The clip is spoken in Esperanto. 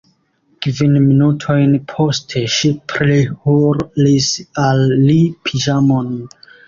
Kvin minutojn poste, ŝi prihurlis al li piĵamon.